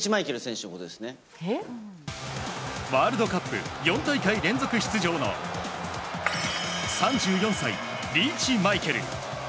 ワールドカップ４大会連続出場の３４歳、リーチマイケル。